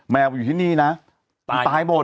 แมวดูพระนุนเซโหกอยู่ที่นี้ตายหมด